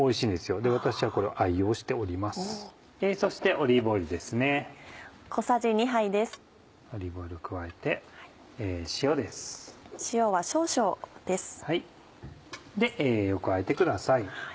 よくあえてください。